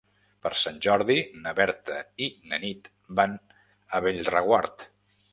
Per Sant Jordi na Berta i na Nit van a Bellreguard.